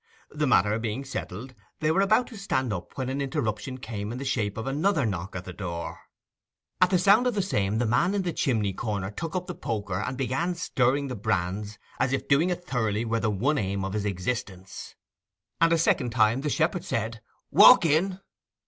The matter being settled, they were about to stand up when an interruption came in the shape of another knock at the door. At sound of the same the man in the chimney corner took up the poker and began stirring the brands as if doing it thoroughly were the one aim of his existence; and a second time the shepherd said, 'Walk in!